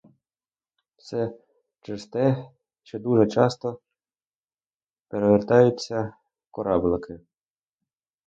Це через те, що дуже часто перевертаються кораблики.